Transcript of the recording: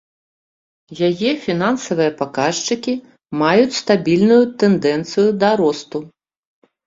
Яе фінансавыя паказчыкі маюць стабільную тэндэнцыю да росту.